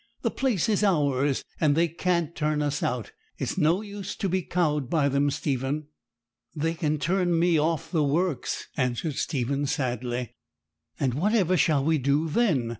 The place is ours, and they can't turn us out. It's no use to be cowed by them, Stephen.' 'They can turn me off the works,' answered Stephen sadly. 'And whatever shall we do then?'